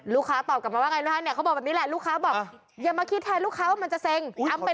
ลูกค้าตอบกลับมาว่าไงรู้ไหมเขาบอกแบบนี้แหละลูกค้าบอกอย่ามาคิดแทนลูกค้าว่ามันจะเซ็ง